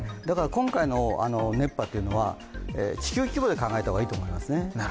今回の熱波というのは地球規模で考えた方がいいと思いますね。